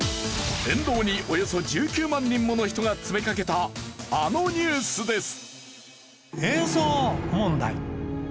沿道におよそ１９万人もの人が詰めかけたあのニュースです。